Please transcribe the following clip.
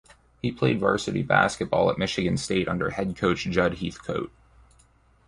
He played varsity basketball at Michigan State under head coach Jud Heathcote.